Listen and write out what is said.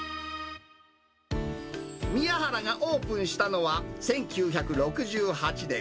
みやはらがオープンしたのは１９６８年。